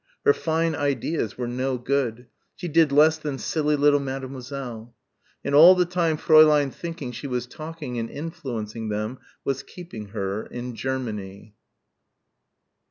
Her fine ideas were no good. She did less than silly little Mademoiselle. And all the time Fräulein thinking she was talking and influencing them was keeping her ... in Germany.